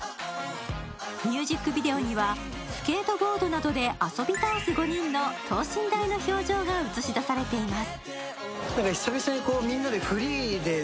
ミュージックビデオにはスケートボードなどで遊び倒す５人の等身大の表情が映し出されています。